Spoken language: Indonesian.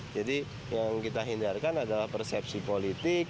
jadi yang kita hindarkan adalah persepsi politik